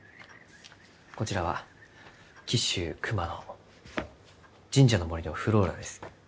こちらは紀州熊野神社の森のｆｌｏｒａです。